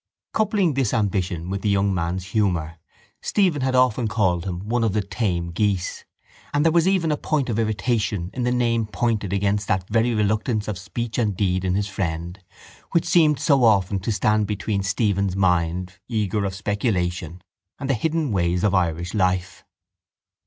Coupling this ambition with the young man's humour Stephen had often called him one of the tame geese and there was even a point of irritation in the name pointed against that very reluctance of speech and deed in his friend which seemed so often to stand between Stephen's mind, eager of speculation, and the hidden ways of Irish life.